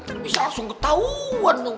nanti bisa langsung ketahuan tuh